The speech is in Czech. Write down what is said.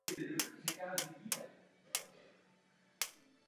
Jejich jediným zdrojem znalostí o Evropě je televize.